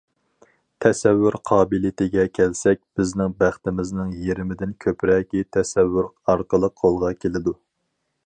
تەسەۋۋۇر قابىلىيىتىگە كەلسەك، بىزنىڭ بەختىمىزنىڭ يېرىمىدىن كۆپرەكى تەسەۋۋۇر ئارقىلىق قولغا كېلىدۇ.